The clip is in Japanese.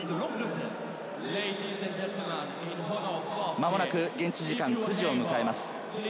まもなく現地時間９時を迎えます。